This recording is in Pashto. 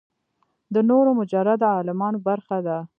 د نورو مجرده عالمونو برخه ده.